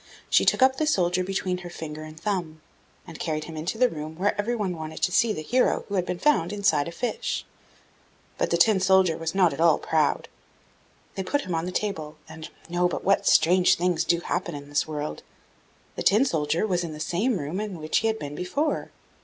She took up the soldier between her finger and thumb, and carried him into the room, where everyone wanted to see the hero who had been found inside a fish; but the Tin soldier was not at all proud. They put him on the table, and no, but what strange things do happen in this world! the Tin soldier was in the same room in which he had been before!